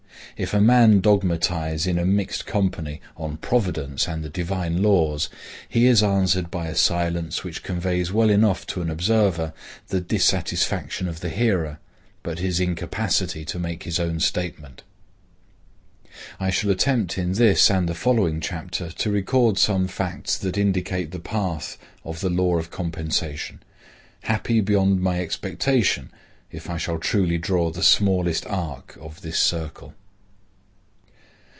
If a man dogmatize in a mixed company on Providence and the divine laws, he is answered by a silence which conveys well enough to an observer the dissatisfaction of the hearer, but his incapacity to make his own statement. I shall attempt in this and the following chapter to record some facts that indicate the path of the law of Compensation; happy beyond my expectation if I shall truly draw the smallest arc of this circle.